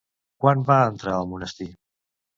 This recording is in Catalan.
Quan va entrar al monestir?